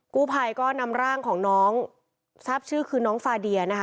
กู้ภัยก็นำร่างของน้องทราบชื่อคือน้องฟาเดียนะคะ